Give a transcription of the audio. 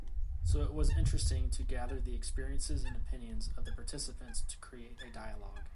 So it was interesting to gather the experiences and opinions of the participants to create a dialogue